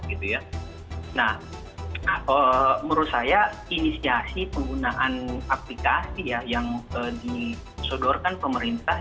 menurut saya inisiasi penggunaan aplikasi yang disodorkan pemerintah